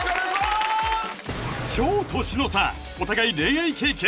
超年の差お互い恋愛経験